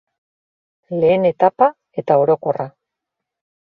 Lehen etapa eta orokorra.